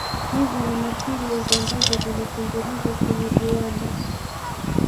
hizi ni materials ambazo zinatengenezwa kwenye viwanda